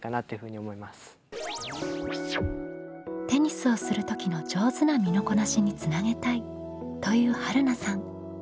「テニスをする時の上手な身のこなしにつなげたい」というはるなさん。